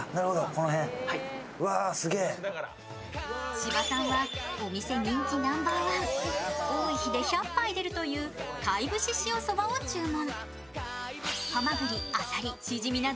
芝さんは、お店人気ナンバーワン、多い日で１００杯出るという貝節潮そばを注文。